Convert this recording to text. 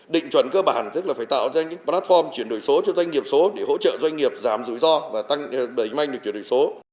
định chuẩn cơ bản tức là phải tạo ra những platform chuyển đổi số cho doanh nghiệp số để hỗ trợ doanh nghiệp giảm rủi ro và đẩy mạnh được chuyển đổi số